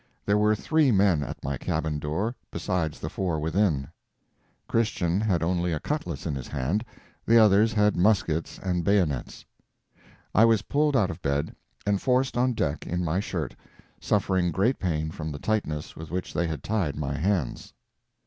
There were three men at my cabin door, besides the four within; Christian had only a cutlass in his hand, the others had muskets and bayonets. I was pulled out of bed, and forced on deck in my shirt, suffering great pain from the tightness with which they had tied my hands.